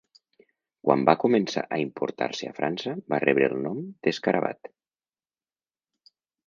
Quan va començar a importar-se a França va rebre el nom d'Escarabat.